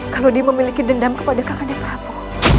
kalau dia memiliki dendam kepada kakaknya berapa